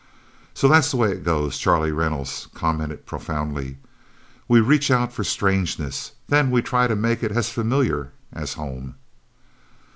"So that's the way it goes," Charlie Reynolds commented profoundly. "We reach out for strangeness. Then we try to make it as familiar as home."